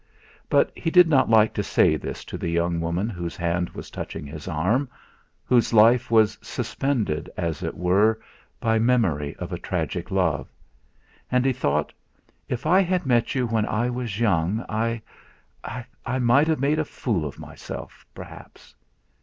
But he did not like to say this to the young woman whose hand was touching his arm, whose life was suspended, as it were, by memory of a tragic love. And he thought: 'If I had met you when I was young I I might have made a fool of myself, perhaps.'